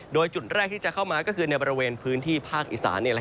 โดยจุดแรกที่จะเข้ามาก็คือในบริเวณพื้นที่ภาคอีสาน